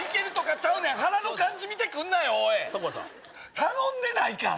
頼んでないから！